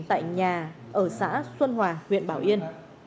tại nhà ở xã xuân hòa huyện bảo yên